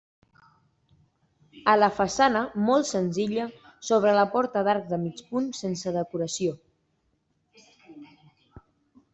A la façana, molt senzilla, s'obre la porta d'arc de mig punt sense decoració.